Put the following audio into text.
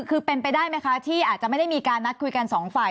คือเป็นไปได้ไหมคะที่อาจจะไม่ได้มีการนัดคุยกันสองฝ่าย